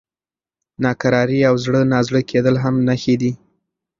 ناکراري او زړه نازړه کېدل هم نښې دي.